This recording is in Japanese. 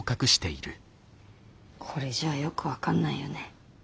これじゃあよく分かんないよね。